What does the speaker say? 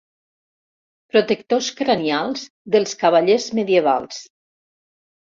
Protectors cranials dels cavallers medievals.